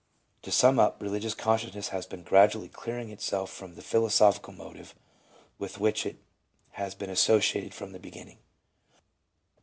To sum up, religious consciousness has been gradually clearing itself from the philosophical motive with which it has been associated from the beginning.